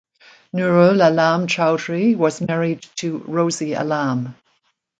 Nurul Alam Chowdhury was married to Rosy Alam.